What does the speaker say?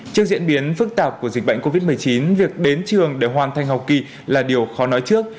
trước diễn biến phức tạp của dịch bệnh covid một mươi chín việc đến trường để hoàn thành học kỳ là điều khó nói trước